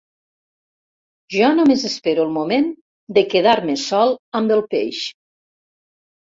Jo només espero el moment de quedar-me sol amb el peix.